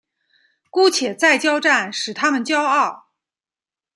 姑且再交战使他们骄傲。